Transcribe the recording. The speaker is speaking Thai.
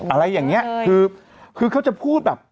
อะไรอย่างนี้คือคือเขาจะพูดแบบ